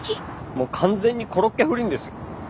もう完全にコロッケ不倫ですよ。